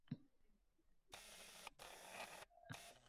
Buni men hal qilaman.